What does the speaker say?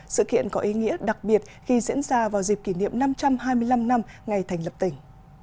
sự kiện có ý nghĩa đặc biệt khi diễn ra vào dịp kỷ niệm năm trăm hai mươi năm năm ngày thành lập tỉnh